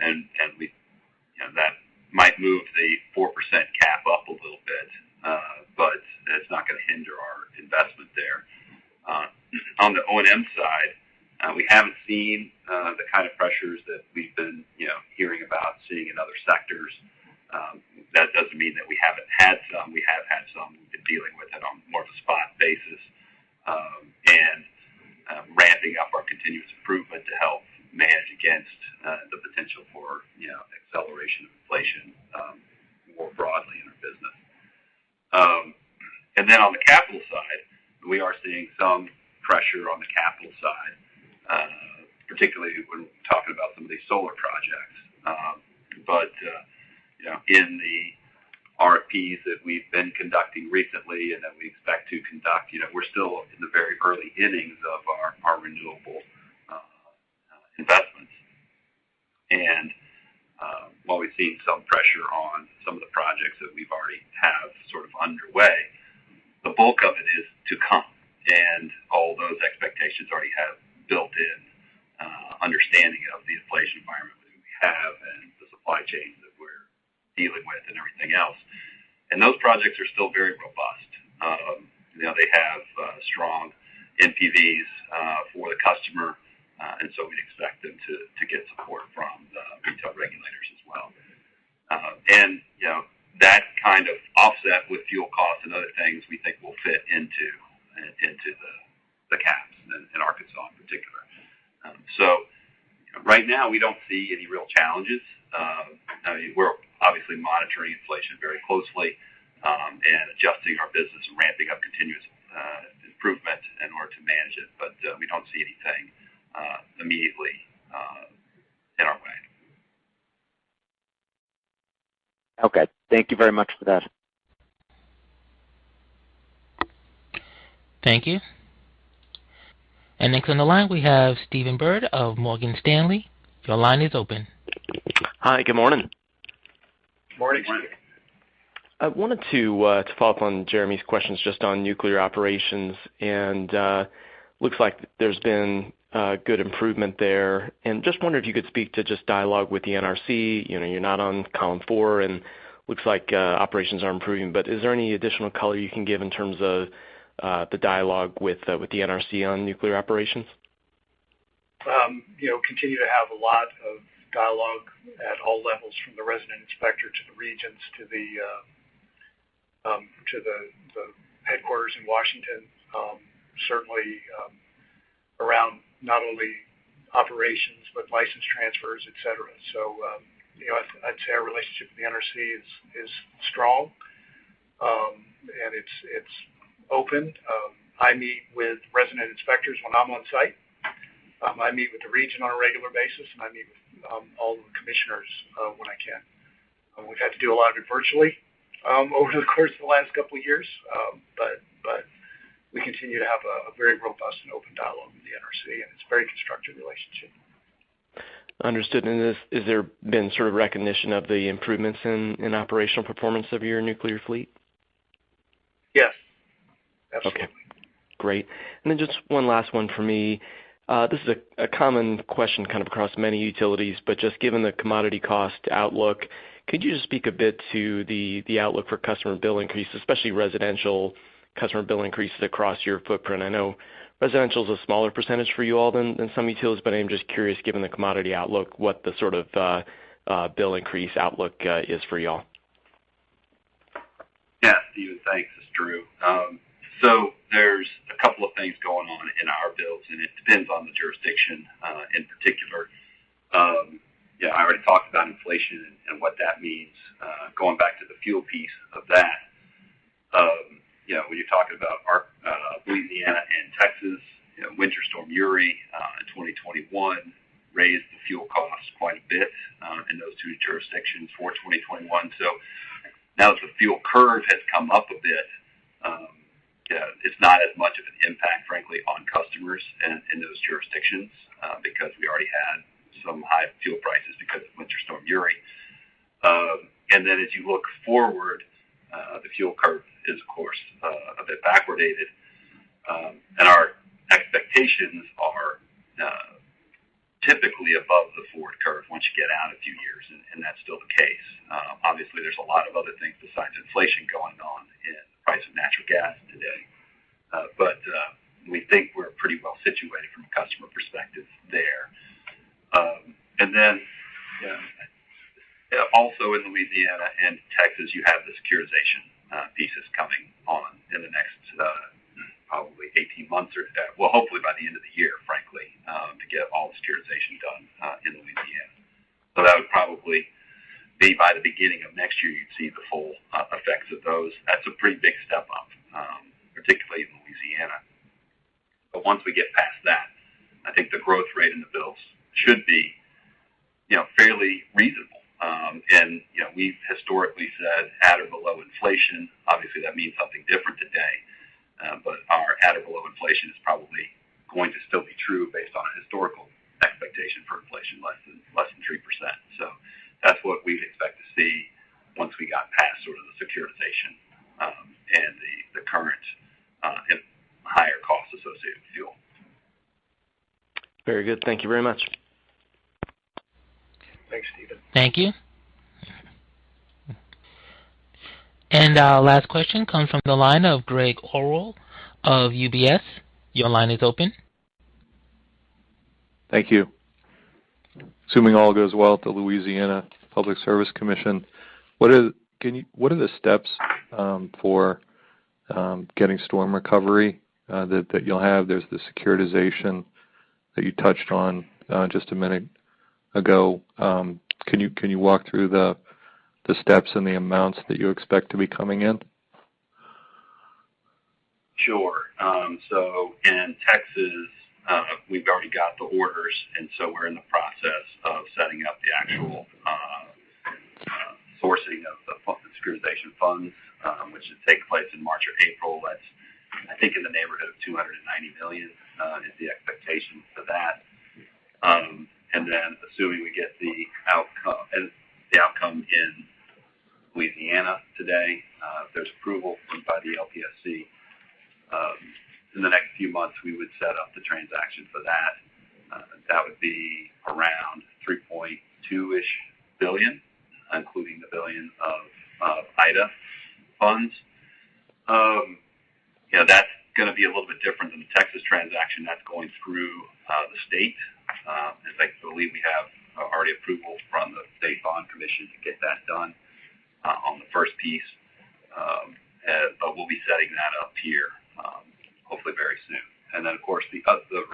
You know, that might move the 4% cap up a little bit. It's not going to hinder our investment there. On the O&M side, we haven't seen the kind of pressures that we've been you know hearing about seeing in other sectors. That doesn't mean that we haven't had some. We have had some. We've been dealing with it on more of a spot basis and ramping up our continuous improvement to help manage against the potential for, you know, acceleration of inflation more broadly in our business. On the capital side, we are seeing some pressure on the capital side, particularly when talking about some of these solar projects. You know, in the RFPs that we've been conducting recently and that we expect to conduct, you know, we're still in the very early innings of our renewable investments. While we've seen some pressure on some of the projects that we've already have sort of underway, the bulk of it is to come. All those expectations already have built-in understanding of the inflation environment that we have and the supply chain that we're dealing with and everything else. Those projects are still very robust. You know, they have strong NPVs for the customer. We'd expect them to get support from the retail regulators as well. You know, that kind of offset with fuel costs and other things we think will fit into the caps in Arkansas in particular. Right now we don't see any real challenges. I mean, we're obviously monitoring inflation very closely and adjusting our business and ramping up continuous improvement in order to manage it. We don't see anything immediately in our way. Okay. Thank you very much for that. Thank you. Next on the line, we have Steve Byrd of Morgan Stanley. Your line is open. Hi. Good morning. Morning. Morning. I wanted to follow up on Jeremy's questions just on nuclear operations. Looks like there's been good improvement there. I just wonder if you could speak to just dialogue with the NRC. You know, you're not on column four, and looks like operations are improving, but is there any additional color you can give in terms of the dialogue with the NRC on nuclear operations? We continue to have a lot of dialogue at all levels from the resident inspector to the regions to the headquarters in Washington, certainly around not only operations, but license transfers, et cetera. I'd say our relationship with the NRC is strong. It's open. I meet with resident inspectors when I'm on site. I meet with the region on a regular basis, and I meet with all the commissioners when I can. We've had to do a lot of it virtually over the course of the last couple of years. We continue to have a very robust and open dialogue with the NRC, and it's a very constructive relationship. Understood. Is there been sort of recognition of the improvements in operational performance of your nuclear fleet? Yes. Absolutely. Okay, great. Just one last one for me. This is a common question kind of across many utilities, but just given the commodity cost outlook, could you just speak a bit to the outlook for customer bill increase, especially residential customer bill increases across your footprint? I know residential is a smaller percentage for you all than some utilities, but I'm just curious, given the commodity outlook, what the sort of bill increase outlook is for y'all. Yeah, Steven, thanks. It's Drew. So there's a couple of things going on in our bills, and it depends on the jurisdiction, in particular. Yeah, I already talked about inflation and what that means, going back to the fuel piece of that. You know, when you talk about our Louisiana and Texas, you know, Winter Storm Uri in 2021 raised the fuel costs quite a bit, in those two jurisdictions for 2021. Now that the fuel curve has come up a bit, yeah, it's not as much of an impact, frankly, on customers in those jurisdictions, because we already had some high fuel costs because of Winter Storm Uri. As you look forward, the fuel curve is of course a bit backwardated. Our expectations are typically above the forward curve once you get out a few years. That's still the case. Obviously, there's a lot of other things besides inflation going on in the price of natural gas today. But we think we're pretty well situated from a customer perspective there. Then, you know, also in Louisiana and Texas, you have the securitization pieces coming on in the next probably 18 months or well, hopefully by the end of the year, frankly, to get all the securitization done in Louisiana. That would probably be by the beginning of next year, you'd see the full effects of those. That's a pretty big step up, particularly in Louisiana. Once we get past that, I think the growth rate in the bills should be, you know, fairly reasonable. You know, we've historically said at or below inflation. Obviously, that means something different today. Our at or below inflation is probably going to still be true based on a historical expectation for inflation less than 3%. That's what we'd expect to see once we got past sort of the securitization and the current and higher costs associated with fuel. Very good. Thank you very much. Thanks, Steven. Thank you. Our last question comes from the line of Greg Orrill of UBS. Your line is open. Thank you. Assuming all goes well at the Louisiana Public Service Commission, what are the steps for getting storm recovery that you'll have? There's the securitization that you touched on just a minute ago. Can you walk through the steps and the amounts that you expect to be coming in? Sure. In Texas, we've already got the orders, and we're in the process of setting up the actual sourcing of the securitization funds, which should take place in March or April. That's, I think, in the neighborhood of $290 million is the expectation for that. Assuming we get the outcome in Louisiana today, if there's approval by the LPSC in the next few months, we would set up the transaction for that. That would be around $3.2-ish billion, including the $1 billion of Ida funds. You know, that's gonna be a little bit different than the Texas transaction that's going through the state. In fact, I believe we have already approval from the State Bond Commission to get that done on the first piece. We'll be setting that up here, hopefully very soon. Then of course the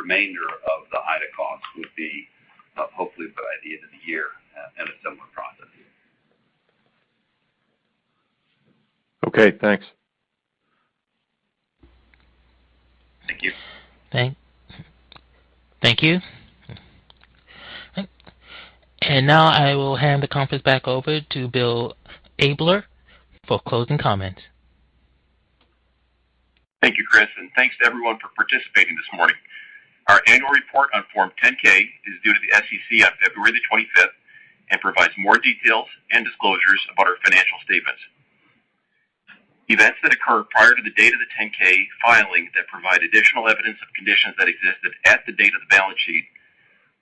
remainder of the Ida costs would be, hopefully by the end of the year in a similar process. Okay, thanks. Thank you. Thank you. Now I will hand the conference back over to Bill Abler for closing comments. Thank you, Chris, and thanks to everyone for participating this morning. Our annual report on Form 10-K is due to the SEC on February 25th and provides more details and disclosures about our financial statements. Events that occur prior to the date of the 10-K filing that provide additional evidence of conditions that existed at the date of the balance sheet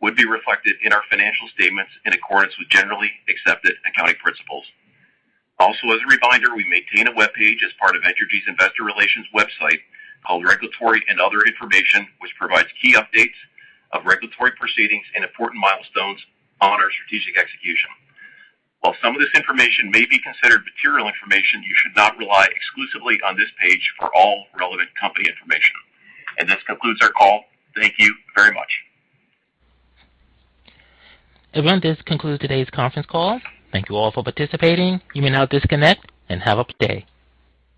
would be reflected in our financial statements in accordance with generally accepted accounting principles. Also, as a reminder, we maintain a webpage as part of Entergy's Investor Relations website called Regulatory and Other Information, which provides key updates of regulatory proceedings and important milestones on our strategic execution. While some of this information may be considered material information, you should not rely exclusively on this page for all relevant company information. This concludes our call. Thank you very much. Everyone, this concludes today's conference call. Thank you all for participating. You may now disconnect and have a good day.